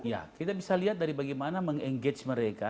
ya kita bisa lihat dari bagaimana meng engage mereka